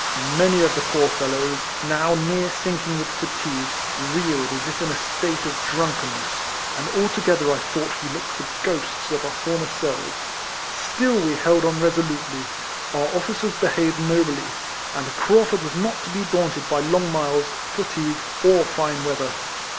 Many of the poor fellows, now near sinking with fatigue, reeled as if in a state of drunkenness, and altogether I thouo ht we looked the o hosts of our former selves; still we held on resolutely: our officers behaved nobly; and Craufurd was not to be daunted by long miles, fatigue, or fine weather.